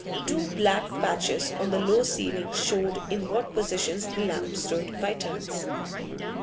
Two black patches on the low ceiling showed in what positions the lamp stood by turns.